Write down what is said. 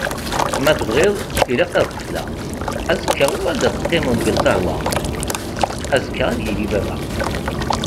Ma tebɣiḍ ilaq ad qefleɣ! Azekka uɣal-d ad teqimeḍ deg lqahwa? Azekka ad yili baba!